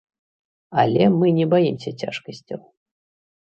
Але мы не баімся цяжкасцяў.